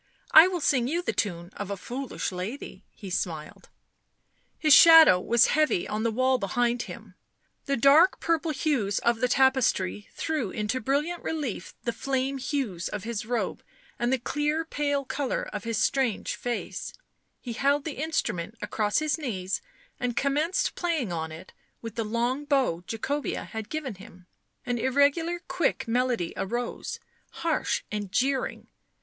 I will sing you the tune of a foolish lady," he smiled. His shadow was heavy on the wall behind him ; the dark purple hues of the tapestry threw info brilliant relief the flame hues of his robe and the clear pale colour of his strange face ; he held the instrument across his knees and commenced playing on it with the long bow Jacobea had given him; an irregular quick melody arose, harsh and jeering.